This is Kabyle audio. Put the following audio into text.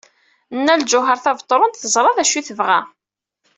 Nna Lǧuheṛ Tabetṛunt teẓra d acu ay tebɣa.